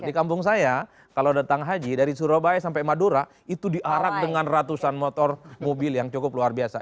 di kampung saya kalau datang haji dari surabaya sampai madura itu diarak dengan ratusan motor mobil yang cukup luar biasa